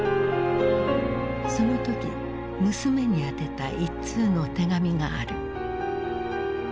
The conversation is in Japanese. その時娘に宛てた一通の手紙がある。